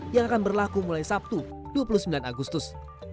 yang akan berlaku mulai sabtu dua puluh sembilan agustus